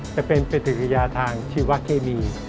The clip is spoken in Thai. จะเป็นเป็นศึกริยาทางชีวาเคมี